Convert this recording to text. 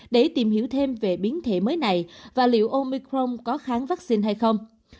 để tìm hiểu thêm về biến thể mới này và liệu omicron có kháng vaccine hay không